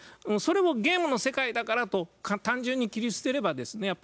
それをゲームの世界だからと単純に切り捨てればですね